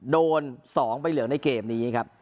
โดน๒ใบเหลืองในเกมนี้ครับ